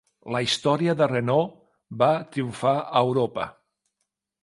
La història de Renaud va triomfar a Europa.